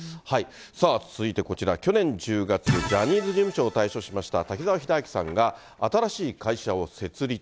さあ、続いて、こちら、去年１０月、ジャニーズ事務所を退所しました、滝沢秀明さんが新しい会社を設立。